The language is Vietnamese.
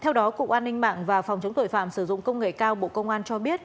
theo đó cục an ninh mạng và phòng chống tội phạm sử dụng công nghệ cao bộ công an cho biết